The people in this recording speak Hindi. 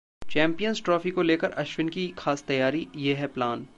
चैंपियंस ट्रॉफी को लेकर अश्विन की खास तैयारी, ये है प्लान